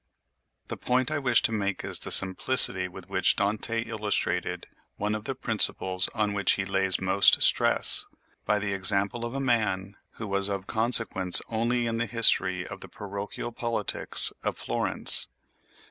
The point I wish to make is the simplicity with which Dante illustrated one of the principles on which he lays most stress, by the example of a man who was of consequence only in the history of the parochial politics of Florence.